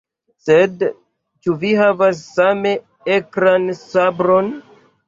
Sed ĉu vi havas same akran sabron?